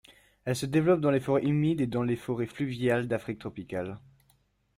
Elle se développe dans les forêts humides et dans les forêts fluviales d'Afrique tropicale.